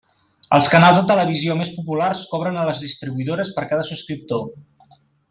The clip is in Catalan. Els canals de televisió més populars cobren a les distribuïdores per cada subscriptor.